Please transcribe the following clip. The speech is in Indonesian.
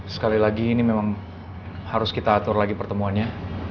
sekali lagi ini memang harus kita atur lagi pertemuannya